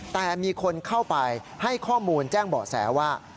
แต่มีคนเข้าไปให้ข้อมูลแจ้งเบาะแสว่า